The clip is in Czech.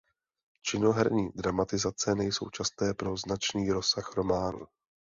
Činoherní dramatizace nejsou časté pro značný rozsah románu.